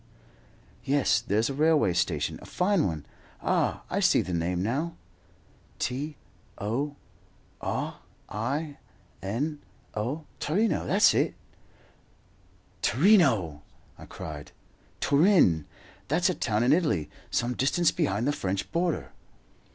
"Yes, there's a railway station, a fine one. Ah, I see the name now. T O R I N O. TORINO, that's it." "Torino!" I cried, "Turin! That's a town in Italy, some distance beyond the French border."